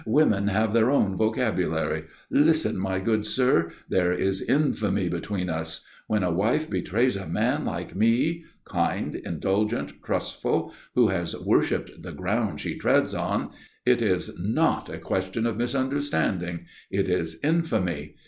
"Women have their own vocabulary. Listen, my good sir. There is infamy between us. When a wife betrays a man like me kind, indulgent, trustful, who has worshipped the ground she treads on it is not a question of misunderstanding. It is infamy.